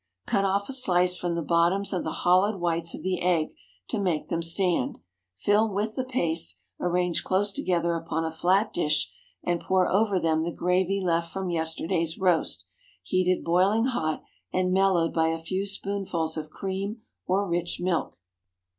Cut off a slice from the bottoms of the hollowed whites of the egg, to make them stand; fill with the paste; arrange close together upon a flat dish, and pour over them the gravy left from yesterday's roast, heated boiling hot, and mellowed by a few spoonfuls of cream or rich milk.